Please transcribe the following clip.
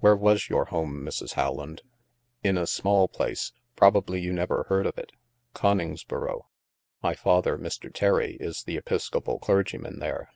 "Where was your home, Mrs. Rowland?" " In a small place. Probably you never heard of 122 THE MASK it. Coningsboro. My father, Mr. Terry, is the Episcopal clergyman there."